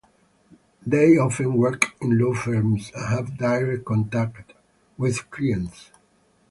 They often work in law firms and have direct contact with clients.